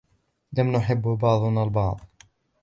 لم نحب بعضنا البعض